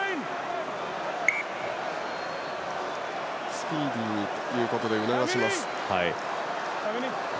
スピーディーにということで促します。